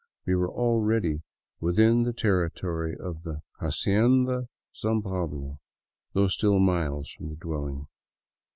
We were already within the territory of the " Hacienda San Pablo," though still miles from the dwelling.